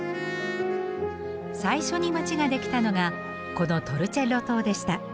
最初に街ができたのがこのトルチェッロ島でした。